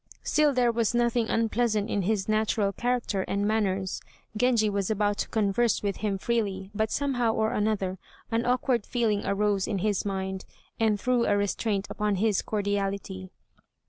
Still there was nothing unpleasant in his natural character and manners. Genji was about to converse with him freely, but somehow or another an awkward feeling arose in his mind, and threw a restraint upon his cordiality.